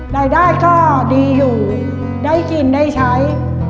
รายได้ก็ดีอยู่ได้กินได้ใช้